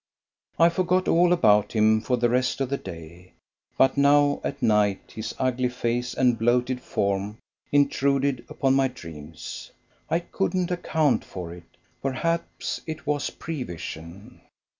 I forgot all about him for the rest of the day; but now, at night, his ugly face and bloated form intruded upon my dreams. I couldn't account for it; perhaps it was prevision.